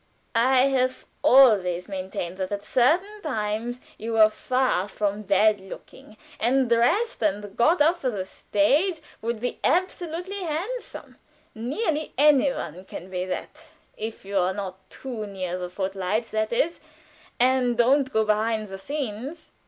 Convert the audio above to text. _ I have always maintained that at certain times you were far from bad looking, and dressed and got up for the stage, would be absolutely handsome. Nearly any one can be that if you are not too near the foot lights, that is, and don't go behind the scenes."